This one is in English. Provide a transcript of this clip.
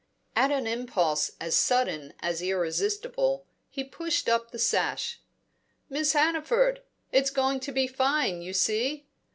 At an impulse as sudden as irresistible, he pushed up the sash. "Miss Hannaford! It's going to be fine, you see."